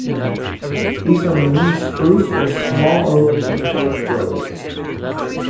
These are mainly spruce or small oak and birch groves.